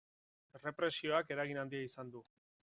Errepresioak eragin handia izan du.